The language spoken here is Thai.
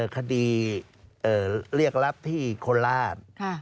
คดีเรียกรับที่คนลาศ